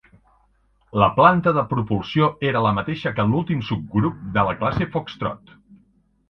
La planta de propulsió era la mateixa que l'últim subgrup de la classe Foxtrot.